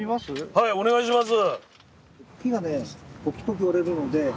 はいお願いします！